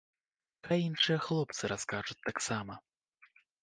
Хай іншыя хлопцы раскажуць таксама.